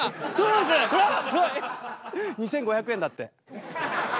２，５００円だって。